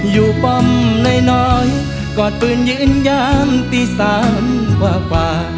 อยู่ป่อมน้อยกอดปืนยืนยามตีสามกว่า